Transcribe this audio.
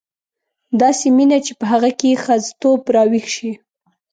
داسې مینه چې په هغه کې ښځتوب راویښ شي.